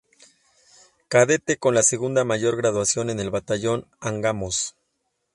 Cadete con la segunda mayor graduación en el Batallón Angamos.